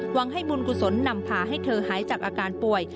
หวังให้บุญกุศลนำพาให้เธอหายจากอาการป่วย